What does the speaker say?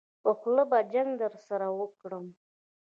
په خوله به جګ درسره وکړم.